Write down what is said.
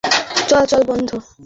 জনগণের চলাচল বন্ধ।